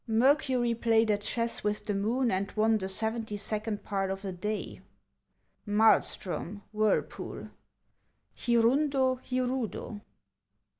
— Mercury played at chess with the Moon, and won the seventy second part of a day. — Maelstrom, whirlpool. — Hirundo, hirudo.